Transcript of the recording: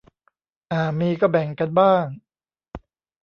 อ่า มีก็แบ่งกันบ้าง